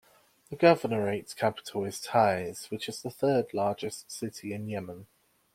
The governorate's capital is Taiz, which is the third largest city in Yemen.